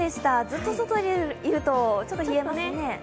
ずっと外にいると、ちょっと冷えますね。